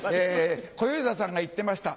小遊三さんが言ってました。